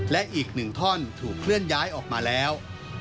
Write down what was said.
และอีก๑ท่อนถูกเคลื่อนย้ายออกมาแล้ว